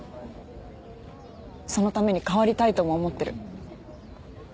そのために変わりたいとも思ってる。